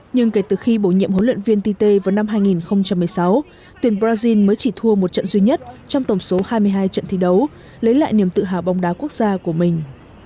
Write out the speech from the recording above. nhưng kể từ khi bổ nhiệm huấn luyện viên tit vào năm hai nghìn một mươi sáu tuyển brazil mới chỉ thua một trận duy nhất trong tổng số hai mươi hai trận thi đấu lấy lại niềm tự hào bóng đá quốc gia của mình